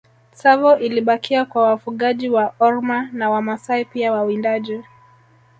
Tsavo ilibakia kwa wafugaji wa Orma na Wamasai pia wawindaji